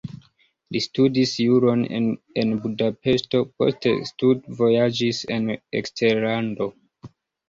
Li studis juron en Budapeŝto, poste studvojaĝis en eksterlando.